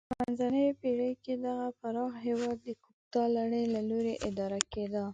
په منځنیو پیړیو کې دغه پراخ هېواد د کوپتا لړۍ له لوري اداره کېده.